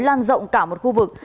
lan rộng cả một khu vực